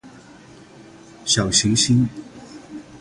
小行星